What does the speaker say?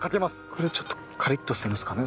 これちょっとカリッとするんですかね？